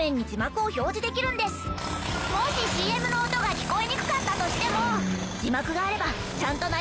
もしＣＭの音が聞こえにくかったとしても。